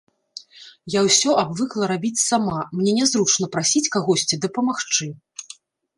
Я ўсё абвыкла рабіць сама, мне нязручна прасіць кагосьці дапамагчы.